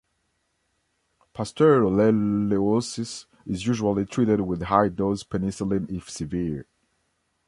Pasteurellosis is usually treated with high-dose penicillin if severe.